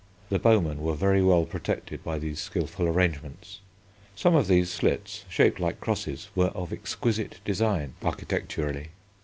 The bowmen were very well protected by these skilful arrangements. Some of these slits, shaped like crosses, were of exquisite design architecturally.